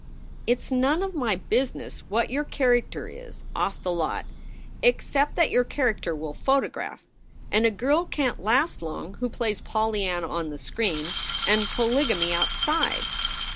"It s none of my business what your character is off the SOULS FOR SALE 195 lot except that your character will photograph, and a girl can t last long who plays Polyanna on the screen and polyg amy outside.